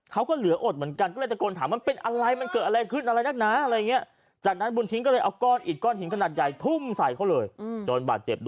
เขาก็เหลืออดเหมือนกัน